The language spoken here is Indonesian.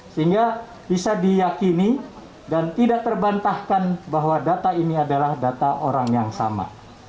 sehingga bisa diyakini dan tidak terbantahkan bahwa data ini adalah data orang yang sama